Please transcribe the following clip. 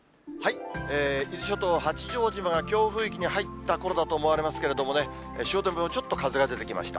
伊豆諸島八丈島が強風域に入ったころだと思われますけれども、汐留もちょっと風が出てきました。